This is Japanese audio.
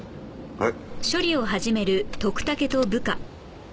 はい。